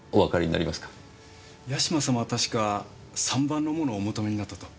八島様は確か３番のものをお求めになったと。